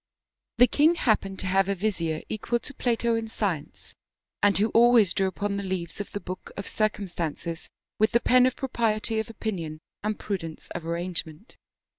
The king happened to have a vizier equal to Plato in science, and who always drew upon the leaves of the book of circumstances with the pen of propriety of opinion and prudence of arrangement.